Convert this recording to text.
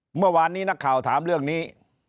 เมื่อวานนี้นักข่าวถามเรื่องนี้